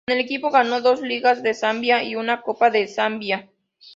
Con el equipo ganó dos ligas de Zambia y una copa de Zambia.